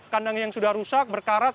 kandang yang sudah rusak berkarat